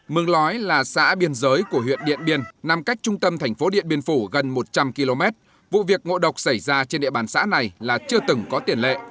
mường lói là xã biên giới của huyện điện biên nằm cách trung tâm thành phố điện biên phủ gần một trăm linh km vụ việc ngộ độc xảy ra trên địa bàn xã này là chưa từng có tiền lệ